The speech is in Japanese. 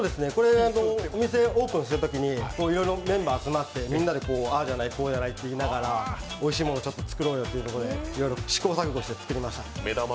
お店、オープンするときにいろいろメンバー集まってみんなでああじゃない、こうじゃないっていいながらおいしいものを作ろうよということでいろいろ試行錯誤して作りました。